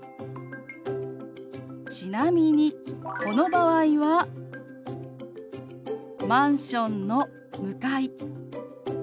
ちなみにこの場合は「マンションの向かい」。